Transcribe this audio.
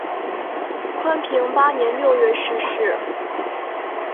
宽平八年六月逝世。